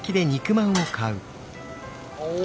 お！